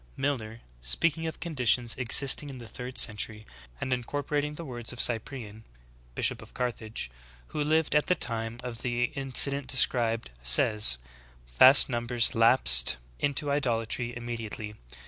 Milner, spea ing of conditions existing in the third century, and incorpor ating the words of Cyprian, bishop of Carthage, v/ho lived at the time of the incident described, says : "Vast numbers lapsed into idolatry immediately.